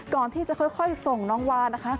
ก่อนที่จะค่อยส่งน้องวานะคะ